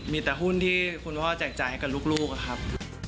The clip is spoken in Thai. มีแต่หุ้นที่คุณพ่อแจกจ่ายให้กับลูกครับ